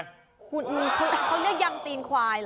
เรียกยำตีนควายเหรอ